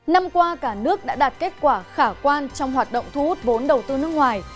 năm qua cả nước đã đạt kết quả khả quan trong hoạt động thu hút vốn đầu tư nước ngoài